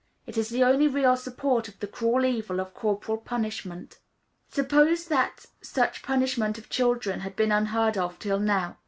It is the only real support of the cruel evil of corporal punishment. Suppose that such punishment of children had been unheard of till now.